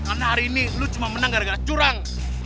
karena hari ini lo cuma menang gara gara curang